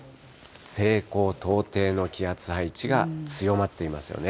西高東低の気圧配置が強まっていますよね。